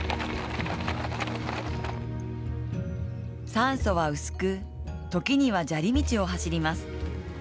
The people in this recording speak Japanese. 酸素は薄く、時には砂利道を走ります。